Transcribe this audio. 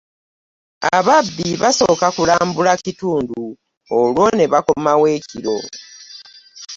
Ababbi basooka kulambula kitundu olwo ne bakomawo ekiro.